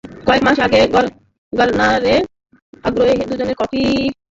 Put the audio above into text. কয়েক মাস আগে গারনারে আগ্রহেই দুজনে কফি খেতে বের হয়েছিলেন একসঙ্গে।